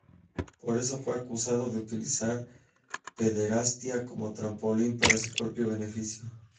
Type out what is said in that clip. Por eso fue acusado de utilizar la pederastia como trampolín para su propio beneficio.